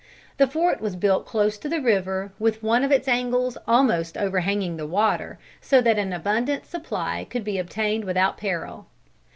The fort was built close to the river, with one of its angles almost overhanging the water, so that an abundant supply could be obtained without peril.